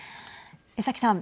江崎さん。